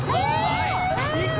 いく？